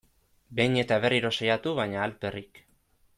Behin eta berriro saiatu, baina alferrik.